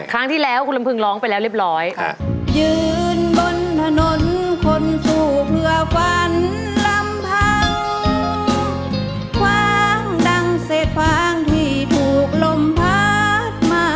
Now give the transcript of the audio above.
ครั้งที่แล้วคุณลำพึงร้องไปแล้วเรียบร้อย